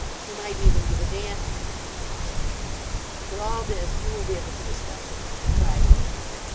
We might even give a dance in it, he thinks. But all this you will be able to discuss with him on Friday.